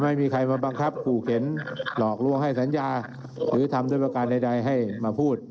ไม่มีใครมาบังคับขู่เข็นหลอกลวงให้สัญญาหรือทำด้วยประการใดให้มาพูด